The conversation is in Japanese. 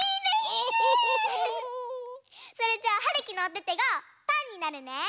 それじゃあはるきのおててがパンになるね！